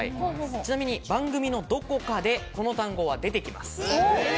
ちなみに番組のどこかでこの単語は出てきます。